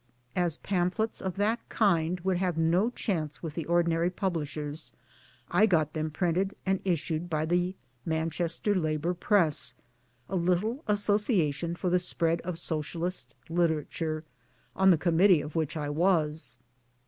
As pamphlets of that kind would have no chance with the ordinary publishers, I got them printed and issued by the Manchester Labour Pressa little association for the spread of Socialist literature, on the committee of which I was.